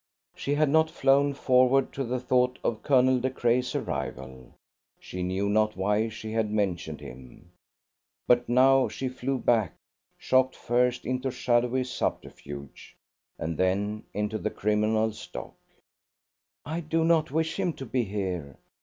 She had not flown forward to the thought of Colonel De Craye's arrival; she knew not why she had mentioned him; but now she flew back, shocked, first into shadowy subterfuge, and then into the criminal's dock. "I do not wish him to be here.